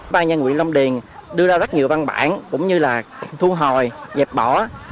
bãi nhân huyện long điền đưa ra rất nhiều văn bản cũng như là thu hồi dẹp bỏ